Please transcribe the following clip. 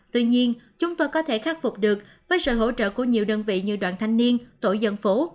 tuy nhiên chúng tôi có thể khắc phục được với sự hỗ trợ của nhiều đơn vị như đoàn thanh niên tổ dân phố